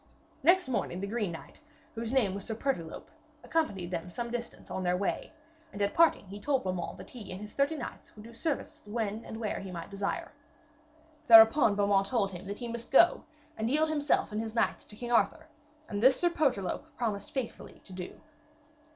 Next morning the green knight, whose name was Sir Pertolope, accompanied them some distance on their way, and at parting he told Beaumains that he and his thirty knights would do service when and where he might desire. Thereupon Beaumains told him that he must go and yield himself and his knights to King Arthur, and this Sir Pertolope promised faithfully to do.